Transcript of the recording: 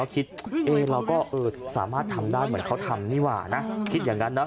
คิดเราก็สามารถทำได้เหมือนเขาทำนี่ว่านะ